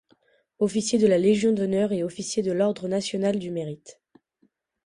Officier de la Légion d’honneur et officier de l’ordre national du Mérite.